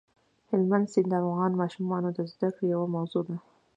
هلمند سیند د افغان ماشومانو د زده کړې یوه موضوع ده.